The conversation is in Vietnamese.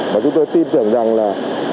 và chúng tôi tin tưởng rằng là